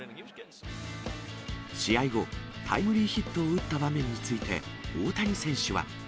試合後、タイムリーヒットを打った場面について、大谷選手は。